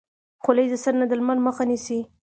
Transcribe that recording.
خولۍ د سر نه د لمر مخه نیسي.